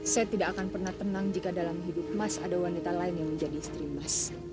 saya tidak akan pernah tenang jika dalam hidupmu ada wanita lain yang menjadi istrimu